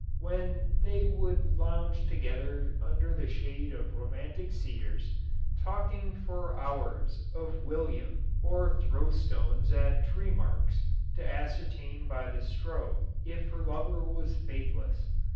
.., when they would lounge under the shade of romantic cedars, talking for hours of William, or throw stones at tree marks, to ascertain by the stroke if her lover was faith less.